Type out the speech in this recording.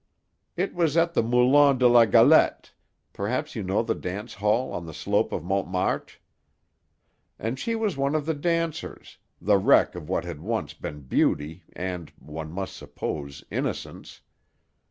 It was at the Moulin de la Galette—perhaps you know the dance hall on the slope of Montmartre—and she was one of the dancers, the wreck of what had once been beauty and, one must suppose, innocence.